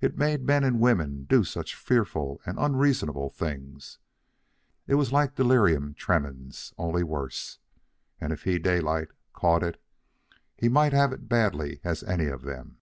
It made men and women do such fearful and unreasonable things. It was like delirium tremens, only worse. And if he, Daylight, caught it, he might have it as badly as any of them.